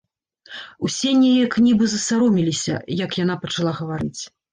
Усе неяк нібы засаромеліся, як яна пачала гаварыць.